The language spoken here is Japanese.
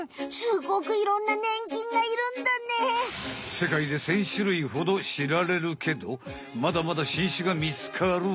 世界で１０００種類ほどしられるけどまだまだ新種がみつかる。